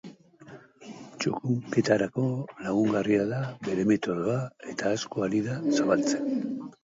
Txukunketarako lagungarria da bere metodoa eta asko ari da zabaltzen.